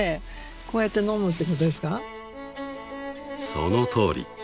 ［そのとおり］